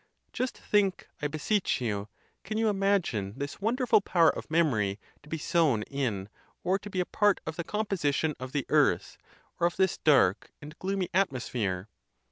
Just think, I beseech you: can you imagine this wonderful power of memory to be sown in or to be a part of the composition of the earth, or of this dark and gloomy atmosphere?